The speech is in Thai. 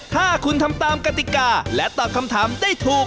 ถ้าคุณทำตามกติกาและตอบคำถามได้ถูก